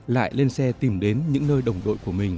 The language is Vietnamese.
lại lên xe tìm đến những nơi đồng đội của mình